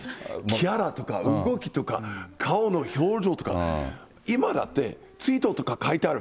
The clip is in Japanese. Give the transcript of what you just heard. キャラとか動きとか、顔の表情とか、今だって追悼とか書いてある、